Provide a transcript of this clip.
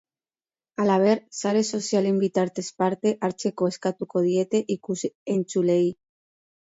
Halaber, sare sozialen bitartez parte hartzeko eskatuko diete ikus-entzuleei.